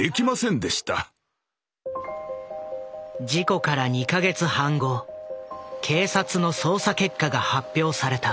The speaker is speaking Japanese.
事故から２か月半後警察の捜査結果が発表された。